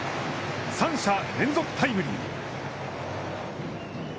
３者連続タイムリー